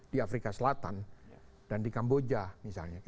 di afrika selatan dan di kamboja misalnya